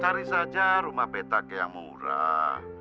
cari saja rumah petak yang murah